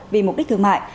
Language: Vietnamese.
vì mục đích thương mại